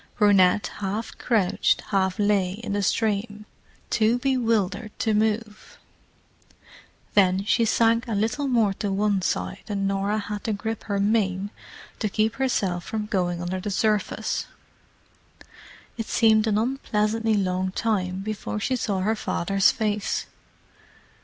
Brunette half crouched, half lay, in the stream, too bewildered to move; then she sank a little more to one side and Norah had to grip her mane to keep herself from going under the surface. It seemed an unpleasantly long time before she saw her father's face.